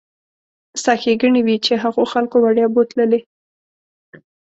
ستا ښېګڼې وي چې هغو خلکو وړیا بوتللې.